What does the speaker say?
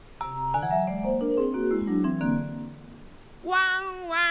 ・ワンワン